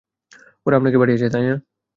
ওরা আপনাকে পাঠিয়েছে, তাই না?